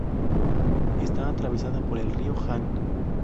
Está atravesada por el río Han.